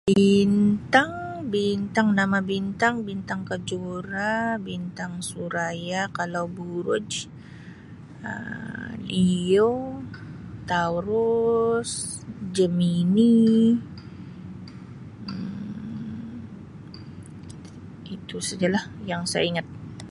Bintang bintang nama bintang bintang kejora, bintang suraya kalau buruj Um leo.